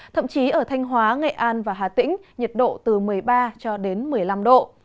thậm chí ở thanh hóa nghệ an và hà tĩnh nhiệt độ từ một mươi ba cho đến một mươi năm độ